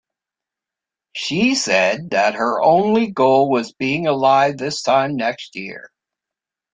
She said that her only goal was "being alive this time next year".